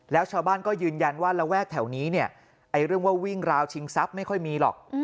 แล้วชาวบ้านก็ยืนยันว่าระแวกแถวนี้เนี่ยเรื่องว่าวิ่งราวชิงทรัพย์ไม่ค่อยมีหรอก